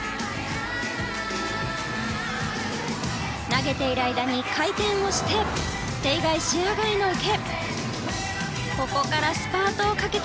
投げている間に回転をして手以外、視野外の受け。